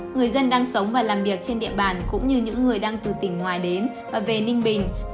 người dân đang sống và làm việc trên địa bàn cũng như những người đang từ tỉnh ngoài đến về ninh bình